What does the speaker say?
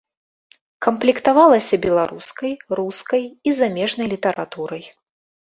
Камплектавалася беларускай, рускай і замежнай літаратурай.